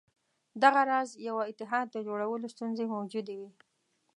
دغه راز یوه اتحاد د جوړولو ستونزې موجودې وې.